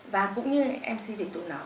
và cũng như mc việt tụ nói